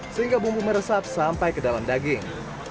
sehingga bumbu meresap sampai ke dalam daging